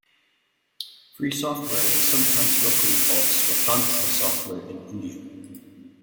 Free software is sometimes locally called swatantra software in India.